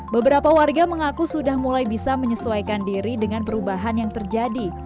beberapa warga mengaku sudah mulai bisa menyesuaikan diri dengan perubahan yang terjadi